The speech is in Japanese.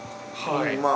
はい。